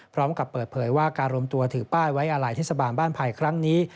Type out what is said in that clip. พร้อมกับเปิดเผยว่าการรวมตัวถือป้ายไว้อาลัยเทศบาลบ้านไผ่ครั้งนี้